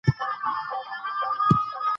په افغانستان کې چنګلونه شتون لري.